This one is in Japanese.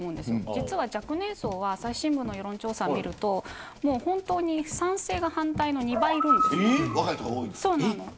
実は若年層は朝日新聞の世論調査を見ると賛成が反対の２倍いるんです。